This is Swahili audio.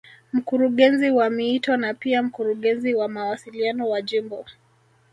Mkurungezi wa miito na pia Mkurungezi wa mawasiliano wa Jimbo